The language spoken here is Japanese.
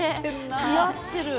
似合ってる。